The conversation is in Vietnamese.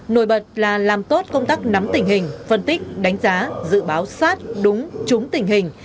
nổi bật là làm tốt công tác nắm tình hình phân tích đánh giá dự báo sát đúng trúng tình hình